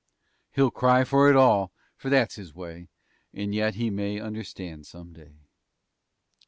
He'll cry for it all, for that's his way, And yet he may understand some day."